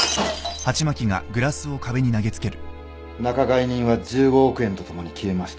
仲買人は１５億円とともに消えました。